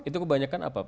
itu kebanyakan apa